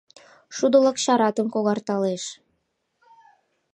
Шудылык чаратым когарталеш.